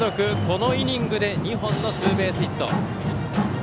このイニングで２本のツーベースヒット。